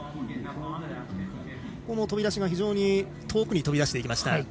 飛び出しが、非常に遠くに飛び出していきました。